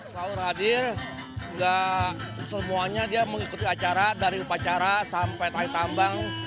selalu hadir gak semuanya dia mengikuti acara dari upacara sampai tari tambang